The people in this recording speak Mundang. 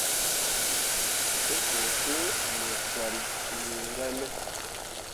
Te bu fin mu camme wira ne.